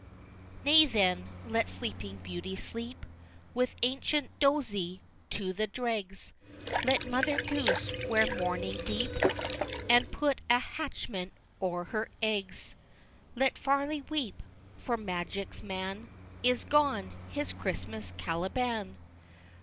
XV. Nay, then, let Sleeping Beauty sleep With ancient "Dozey" to the dregs Let Mother Goose wear mourning deep, And put a hatchment o'er her eggs! Let Farley weep for Magic's man Is gone, his Christmas Caliban!